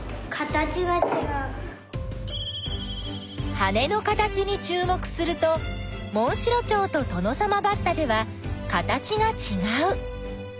羽の形にちゅう目するとモンシロチョウとトノサマバッタでは形がちがう。